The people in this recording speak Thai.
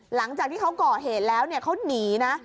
หลังจากที่เขาก่อเหตุแล้วเขาหนีนะ